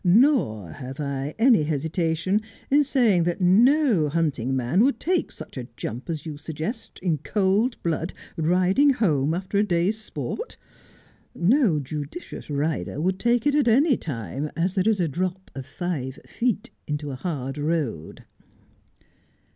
Nor have I any hesitation in saying that no hunt ing man would take such a jump as you suggest in cold blood, riding home after a day's sport. No judicious rider would take it at any time, as there is a drop of five feet into a hard road.